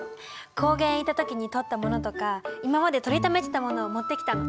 高原へ行った時に撮ったものとか今まで撮りためてたものをもってきたの。